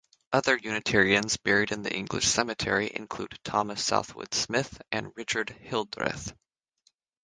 Other Unitarians buried in the English Cemetery include Thomas Southwood Smith and Richard Hildreth.